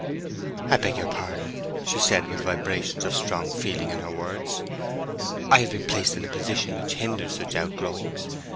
"I beg your pardon," said she, with vibrations of strong feeling in her words. "I have been placed in a position which hinders such outgrowings.